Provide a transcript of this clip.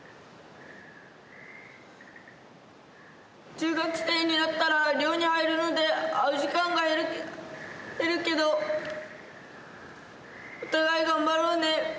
中学生になったら寮に入るので会う時間が減るけどお互い頑張ろうね。